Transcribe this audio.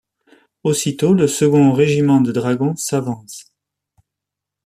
Aussitôt, le second régiment de dragons s'avance.